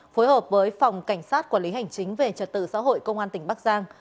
phối hợp với phòng cảnh sát quản lý hành chính về trật tự xã hội công an tỉnh bắc giang